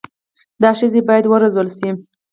دا ښځي بايد و روزل سي